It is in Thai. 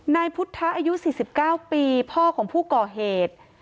นายพุทธะอายุ๔๙ปีพ่อของผู้ก่อเหตุ